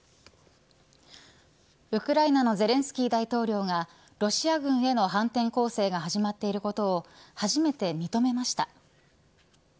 ウクライナのゼレンスキー大統領がロシア軍への反転攻勢が始まっていることを初めて認めました。